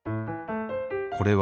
これは